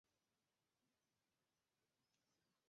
千绵车站大村线的沿线车站。